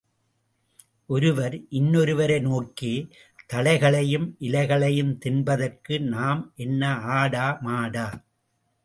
ஒருவர் இன்னொருவரை நோக்கி, தழைகளையும் இலைகளையும் தின்பதற்கு நாம் என்ன ஆடா மாடா?